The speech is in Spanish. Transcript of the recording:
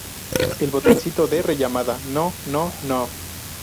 el botoncito de rellamada, ¿ no? no, no, no...